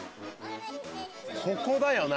ここだよな。